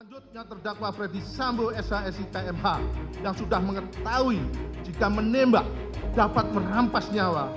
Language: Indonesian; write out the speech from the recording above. selanjutnya terdakwa ferdis sambo shsi kmh yang sudah mengetahui jika menembak dapat merampas nyawa